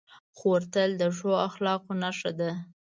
خور تل د ښو اخلاقو نښه ده.